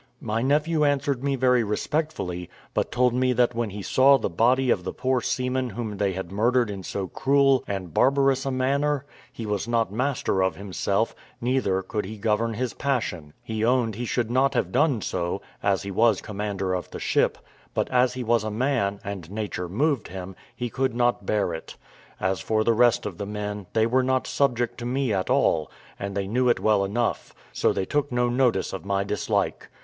My nephew answered me very respectfully, but told me that when he saw the body of the poor seaman whom they had murdered in so cruel and barbarous a manner, he was not master of himself, neither could he govern his passion; he owned he should not have done so, as he was commander of the ship; but as he was a man, and nature moved him, he could not bear it. As for the rest of the men, they were not subject to me at all, and they knew it well enough; so they took no notice of my dislike.